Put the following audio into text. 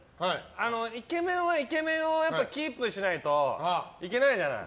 イケメンはイケメンをキープしないといけないじゃない。